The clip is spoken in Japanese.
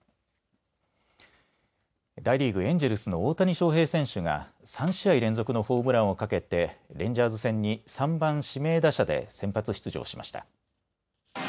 大リーグ、エンジェルスの大谷翔平選手が３試合連続のホームランを懸けてレンジャーズ戦に３番・指名打者で先発出場しました。